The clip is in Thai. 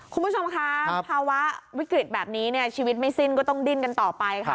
คุณผู้ชมคะภาวะวิกฤตแบบนี้เนี่ยชีวิตไม่สิ้นก็ต้องดิ้นกันต่อไปค่ะ